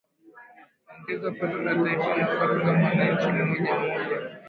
Huongeza pato la taifa na pato la mwananchi mmoja mmoja